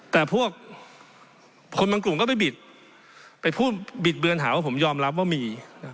แต่พวกคนบางกลุ่มก็ไปบิดไปพูดบิดเบือนหาว่าผมยอมรับว่ามี